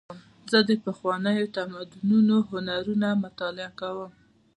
زه د پخوانیو تمدنونو هنرونه مطالعه کوم.